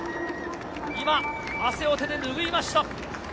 今、汗を手で拭いました。